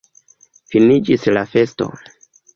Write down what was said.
Finiĝis la festo.